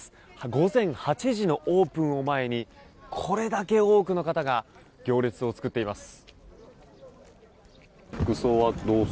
午前８時のオープンを前にこれだけ多くの方が行列を作っています。